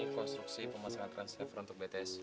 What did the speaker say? ini konstruksi pemasangan transfer untuk bts